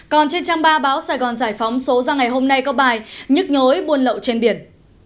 còn trên trang ba báo sài gòn giải phóng số ra ngày hôm nay có bài nhức nhối buôn lậu trên biển